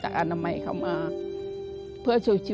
ทำงานชื่อนางหยาดฝนภูมิสุขอายุ๕๔ปี